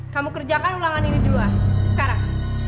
kamu kerjakan ulangan ini dua sekarang